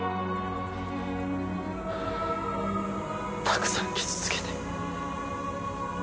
たくさん傷つけて。